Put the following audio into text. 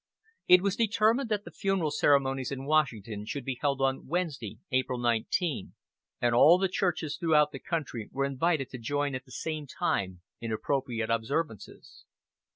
It was determined that the funeral ceremonies in Washington should be held on Wednesday, April 19, and all the churches throughout the country were invited to join at the same time in appropriate observances.